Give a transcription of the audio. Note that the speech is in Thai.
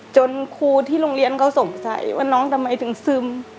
ครูที่โรงเรียนเขาสงสัยว่าน้องทำไมถึงซึม